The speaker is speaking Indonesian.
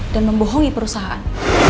dan membohongi perusahaan